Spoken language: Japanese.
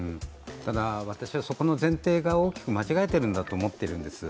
ただ、私はそこの前提が大きく間違えているんだと思っているんです。